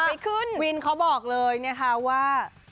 ไปขึ้นวินเขาบอกเลยนะคะว่า